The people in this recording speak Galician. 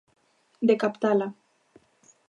De captala.